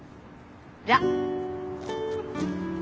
じゃ。